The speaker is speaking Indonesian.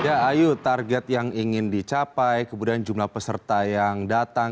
ya ayu target yang ingin dicapai kemudian jumlah peserta yang datang